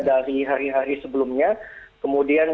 dari hari hari sebelumnya kemudian